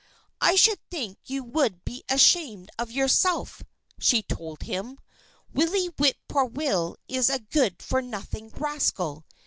"I should think you would be ashamed of yourself," she told him. "Willie Whip poor will is a good for nothing rascal.